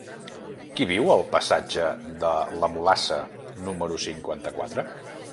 Qui viu al passatge de la Mulassa número cinquanta-quatre?